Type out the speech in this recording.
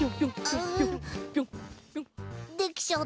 ううできちゃった。